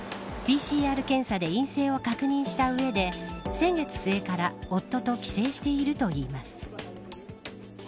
ＰＣＲ検査で陰性を確認した上で先月末から夫と帰省しているといいます。